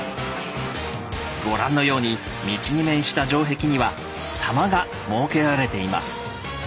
ご覧のように道に面した城壁には狭間が設けられています。